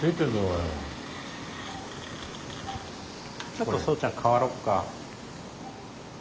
ちょっとそうちゃん代わろっか。